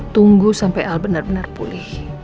tunggu sampai al benar benar pulih